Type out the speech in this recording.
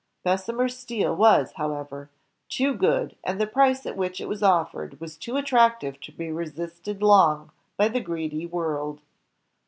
" Bessemer's steel was, however, too good, and the price at which it was offered was too attractive to be resisted long by the greedy world.